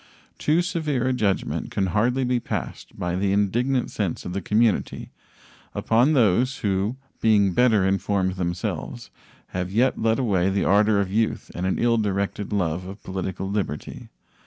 Too severe a judgment can hardly be passed by the indignant sense of the community upon those who, being better informed themselves, have yet led away the ardor of youth and an ill directed love of political liberty.